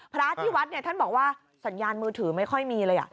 พระที่วัดเนี่ยท่านบอกว่าสัญญาณมือถือไม่ค่อยมีเลย